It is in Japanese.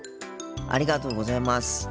ありがとうございます。